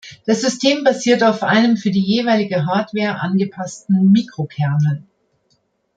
Das System basiert auf einem für die jeweilige Hardware angepassten Mikrokernel.